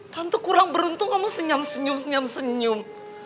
tante kurang beruntung kamu senyam senyum senyum senyum